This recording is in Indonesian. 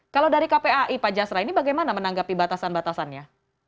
kalau dari kpai pak jasra ini bagaimana menanggapi batasan batasannya